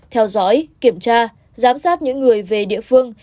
theo dõi kiểm tra giám sát những người về địa phương